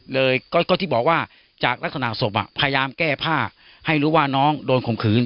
เลยก็ที่บอกว่าจากลักษณะศพพยายามแก้ผ้าให้รู้ว่าน้องโดนข่มขืน